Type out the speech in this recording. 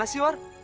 lo apa sih war